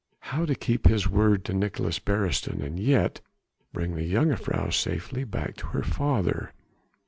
How to keep his word to Nicolaes Beresteyn, and yet bring the jongejuffrouw safely back to her father.